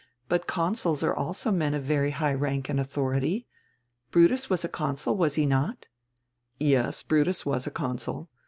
But consuls are also men of very high rank and authority. Brutus was a consul, was he not?" "Yes, Brutus was a consul.